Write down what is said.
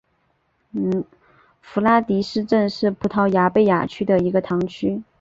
弗拉迪什镇是葡萄牙贝雅区的一个堂区。